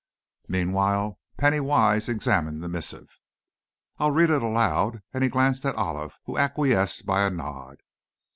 Meanwhile, Penny Wise examined the missive. "I'll read it aloud?" and he glanced at Olive, who acquiesced by a nod.